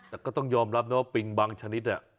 แต่ก็ต้องยอมรับนะว่าปิงบางชนิดเนี่ย